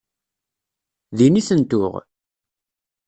Din i ten-tuɣ?